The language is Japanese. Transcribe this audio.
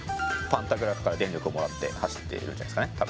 パンタグラフから電力をもらって走っているんじゃないですかね